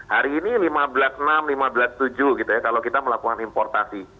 hari ini rp lima belas enam ratus rp lima belas tujuh ratus gitu ya kalau kita melakukan importasi